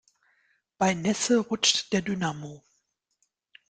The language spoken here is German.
Bei Nässe rutscht der Dynamo.